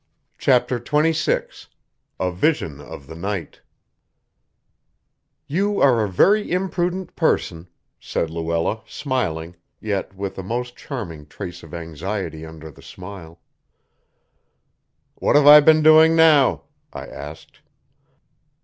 CHAPTER XXVI A VISION OF THE NIGHT "You are a very imprudent person," said Luella, smiling, yet with a most charming trace of anxiety under the smile. "What have I been doing now?" I asked.